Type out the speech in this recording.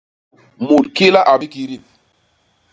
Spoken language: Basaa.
Mut ki la a bikidip!